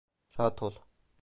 Rahat ol.